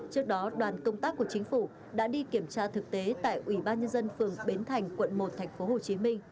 trước đó đoàn công tác của chính phủ đã đi kiểm tra thực tế tại ủy ban nhân dân phường bến thành quận một tp hcm